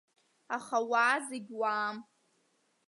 Аха ауаа зегь уаам.